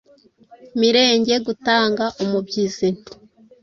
Mirenge gutanga umubyizi,